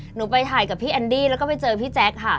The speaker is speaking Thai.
หนูไปถ่ายกับพี่แอนดี้แล้วก็ไปเจอพี่แจ๊คค่ะ